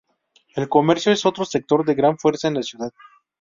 El comercio es otro sector de gran fuerza en la ciudad.